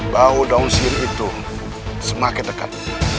bau daun siri itu semakin dekat